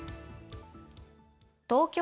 東京